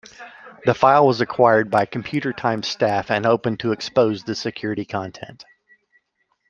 The file was acquired by Computimes staff and opened to expose the security content.